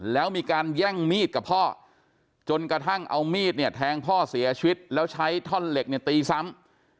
แล้วมีการแย่งมีดกับพ่อจนกระทั่งเอามีดเนี่ยแทงพ่อเสียชีวิตแล้วใช้ท่อนเหล็กเนี่ยตีซ้ำ